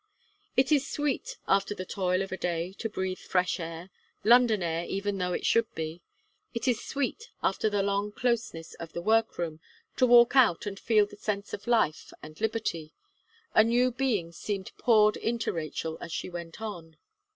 It is sweet, after the toil of a day, to breathe fresh air, London air even though it should be. It is sweet, after the long closeness of the work room, to walk out and feel the sense of life and liberty. A new being seemed poured into Rachel as she went on.